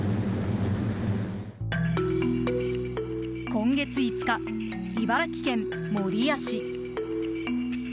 今月５日、茨城県守谷市。